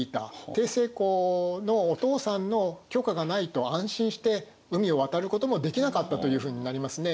成功のお父さんの許可がないと安心して海を渡ることもできなかったというふうになりますね。